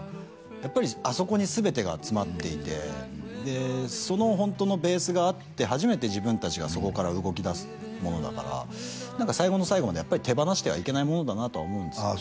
やっぱりあそこに全てが詰まっていてでそのホントのベースがあって初めて自分達がそこから動き出すものだから何か最後の最後までやっぱり手放してはいけないものだなとは思うんですけどあ